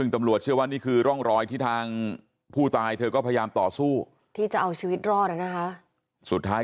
ตามที่เราวงเอาไว้